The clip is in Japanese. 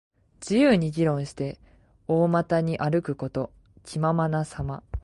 自由に議論して、大股に歩くこと。気ままなさま。